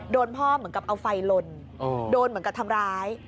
โดนพ่อเหมือนกับเอาไฟลนโดนเหมือนกับทำร้าย